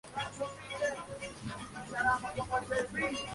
El doctor fue cosechando diversos logros profesionales durante su vida.